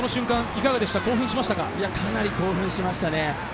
かなり興奮しました。